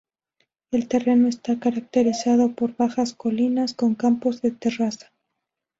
El terreno está caracterizado por bajas colinas con campos de terraza.